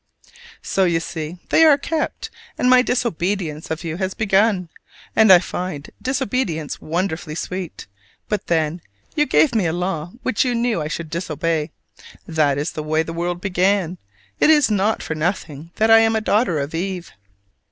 So you see they are kept, and my disobedience of you has begun: and I find disobedience wonderfully sweet. But then, you gave me a law which you knew I should disobey: that is the way the world began. It is not for nothing that I am a daughter of Eve.